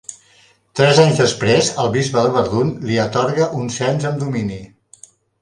Tres anys després, el bisbe de Verdun li atorga un cens amb domini.